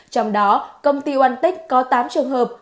trong đó công ty onetech có tám trường hợp